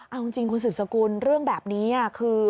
เอาจริงคุณสืบสกุลเรื่องแบบนี้คือ